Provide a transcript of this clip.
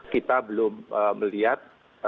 kita belum melihat